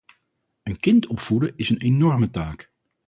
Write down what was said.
Een kind opvoeden is een enorme taak.